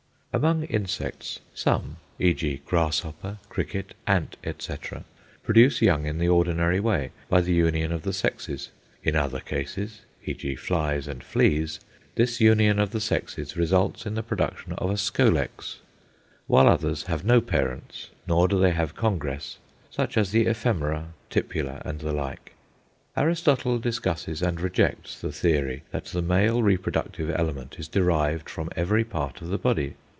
Among insects, some (e.g. grasshopper, cricket, ant, etc.) produce young in the ordinary way, by the union of the sexes; in other cases (e.g. flies and fleas) this union of the sexes results in the production of a skolex; while others have no parents, nor do they have congress such are the ephemera, tipula, and the like. Aristotle discusses and rejects the theory that the male reproductive element is derived from every part of the body.